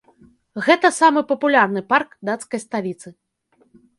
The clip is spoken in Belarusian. Гэта самы папулярны парк дацкай сталіцы.